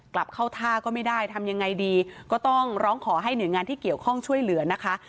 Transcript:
กลับเข้าท่าก็ไม่ได้ทำยังไงดีก็ต้องร้องขอให้หน่วยงานที่เกี่ยวข้องช่วยเหลือนะคะ